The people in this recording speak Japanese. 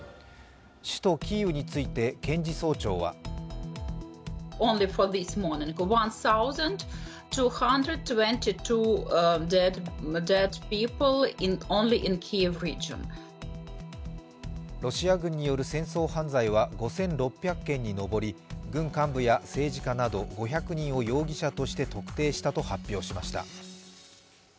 首都キーウについて検事総長はロシア軍による戦争犯罪は５６００件に上り軍幹部や政治家など５００人を容疑者として特定したと発表しました。